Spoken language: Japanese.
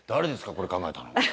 これ考えたの。